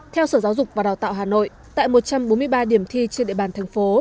theo sở giáo dục và đào tạo hà nội tại một trăm bốn mươi ba điểm thi trên địa bàn thành phố